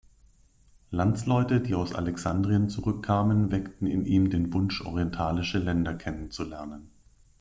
Landsleute, die aus Alexandrien zurückkamen, weckten in ihm den Wunsch, orientalische Länder kennenzulernen.